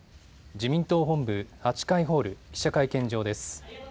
自民党本部８階ホール記者会見場です。